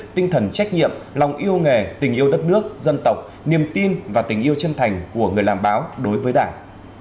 tinh thần trách nhiệm lòng yêu nghề tình yêu đất nước dân tộc niềm tin và tình yêu chân thành của người làm báo đối với đảng